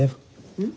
うん。